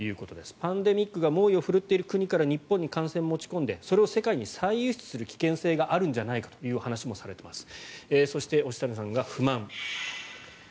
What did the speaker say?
パンデミックが猛威を振るっている国から日本に持ち込んでそれを世界に再輸出する危険性があるんじゃないかという話もされています。